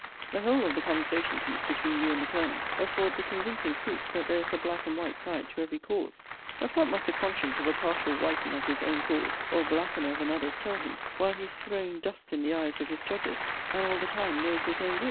The whole of the conversation piece between you and the Colonel affords a convincing proof that there is a black and a white side to every cause: But what must the conscience of a partial whitener of his own cause, or blackener of another's, tell him, while he is throwing dust in the eyes of his judges, and all the time knows his own guilt?